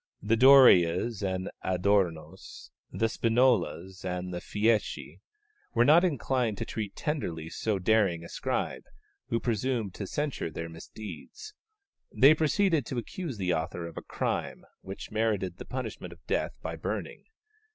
The Dorias and the Adornos, the Spinolas and Fieschi, were not inclined to treat tenderly so daring a scribe, who presumed to censure their misdeeds. They proceeded to accuse the author of a crime which merited the punishment of death by burning.